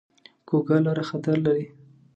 کوږه لاره خطر لري